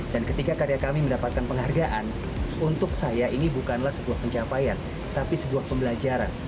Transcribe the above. dan ketika karya kami mendapatkan penghargaan untuk saya ini bukanlah sebuah pencapaian tapi sebuah pembelajaran